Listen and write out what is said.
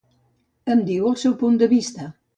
Em diu el seu punt de vista.